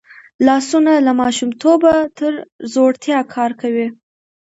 لاسونه له ماشومتوبه تر زوړتیا کار کوي